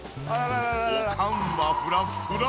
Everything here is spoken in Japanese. おかんはフラッフラ。